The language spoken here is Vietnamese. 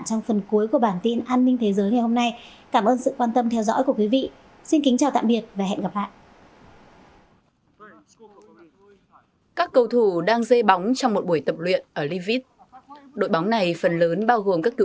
trong phần cuối của bản tin an ninh thế giới ngày hôm nay